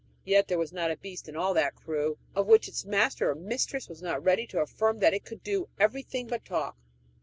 Yet there was not a beast in all that crew of which its master or mistress was not ready to affirm that it could do everything but talk!